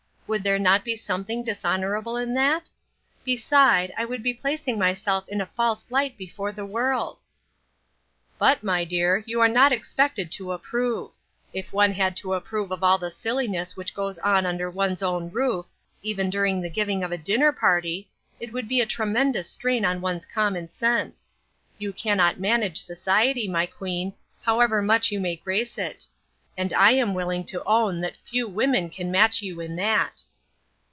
Would there not be something dishonorable in that ? Beside, I would be placing myself in a false light before the world." "But, my dear, you are not expected to approve. SLIPPERY GROUND. 99 If one had to approve of all the silliness which goes on under one's own roof, even during the giving of a dinner party, it would be a tremendous strain on one's common sense. You cannot man age society, my queen, however much you may grace it ; and I am willing to own that few women can match you in that."